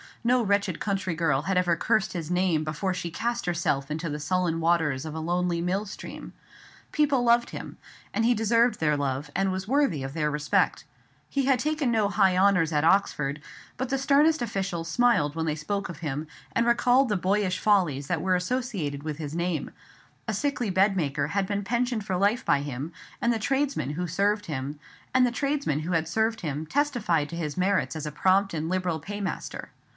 No wretched country girl had ever cursed his name before she cast herself into the sullen waters of a lonely mill stream. People loved him; and he deserved their love, and was worthy of their respect. He had taken no high honours at Oxford; but the sternest officials smiled when they spoke of him, and recalled the boyish follies that were associated with his name; a sickly bedmaker had been pensioned for life by him; and the tradesmen who had served him testified to his merits as a prompt and liberal paymaster.